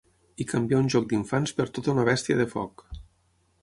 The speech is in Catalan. I canviar un joc d'infants per tota una bèstia de foc.